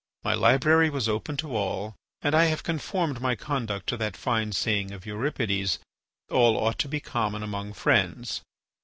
My library was open to all and I have conformed my conduct to that fine saying of Euripides, "all ought to be common among friends."